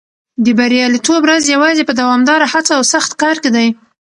د بریالیتوب راز یوازې په دوامداره هڅه او سخت کار کې دی.